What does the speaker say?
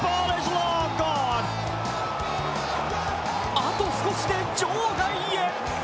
あと少しで場外へ。